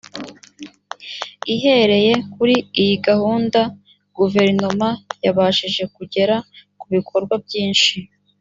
ihereye kuri iyi gahunda guverinoma yabashije kugera ku bikorwa byinshi